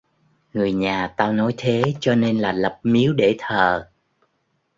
Người nhà tao nói thế cho nên là lập miếu để thờ